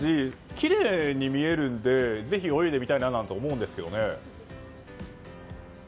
きれいに見えるのでぜひ泳いでみたいなと思うんですけどね。